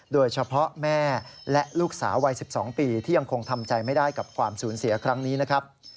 โดยเฉพาะแม่และลูกสาววัย๑๒ปีที่ยังคงทำใจไม่ได้กับความสูญเสียครั้งนี้นะครับ